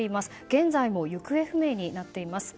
現在も行方不明になっています。